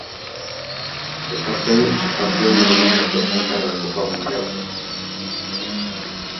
El campeón y el subcampeón del evento clasifican a la Copa Mundial.